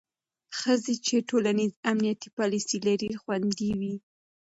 ښځې چې ټولنیز امنیتي پالیسۍ لري، خوندي وي.